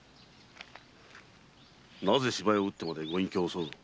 なぜ芝居を打ってまでご隠居を襲う？